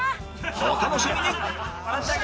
お楽しみに！